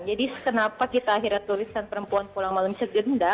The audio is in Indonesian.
jadi kenapa kita akhirnya tuliskan perempuan pulang malam sejenda